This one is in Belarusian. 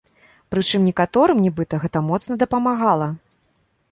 Прычым некаторым, нібыта, гэта моцна дапамагала.